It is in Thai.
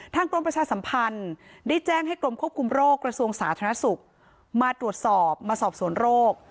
กรมประชาสัมพันธ์ได้แจ้งให้กรมควบคุมโรคกระทรวงสาธารณสุขมาตรวจสอบมาสอบสวนโรค